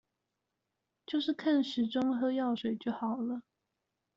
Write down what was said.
就是看時鐘喝藥水就好了